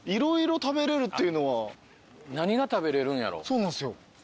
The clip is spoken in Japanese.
そうなんですよ。